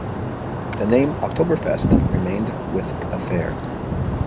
The name "Oktoberfest" remained with the fair.